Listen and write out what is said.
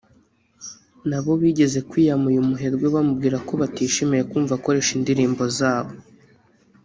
na bo bigeze kwiyama uyu muherwe bamubwira ko batishimiye kumva akoresha indirimbo za bo